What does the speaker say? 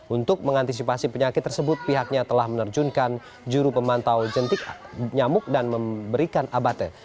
untuk mengantisipasi penyakit tersebut pihaknya telah menerjunkan juru pemantau jentik nyamuk dan memberikan abate